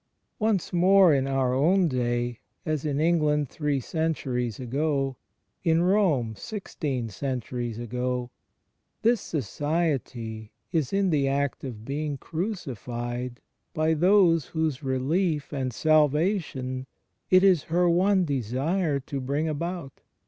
Once more in our own day — as in England three centuries ago, in Rome sixteen centuries ago — this Society is in the act of being crucified by those whose relief and salvation it is her one desire to bring about.